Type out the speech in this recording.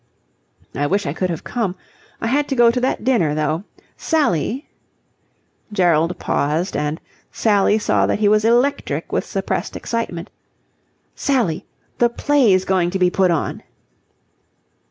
"I wish I could have come. I had to go to that dinner, though. Sally..." Gerald paused, and Sally saw that he was electric with suppressed excitement. "Sally, the play's going to be put on!"